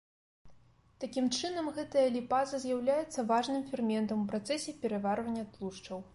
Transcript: Такім чынам, гэтая ліпаза з'яўляецца важным ферментам у працэсе пераварвання тлушчаў.